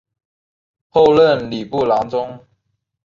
后任礼部郎中。